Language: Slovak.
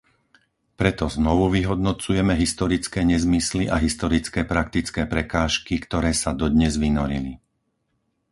Preto znovu vyhodnocujeme historické nezmysly a historické praktické prekážky, ktoré sa dodnes vynorili.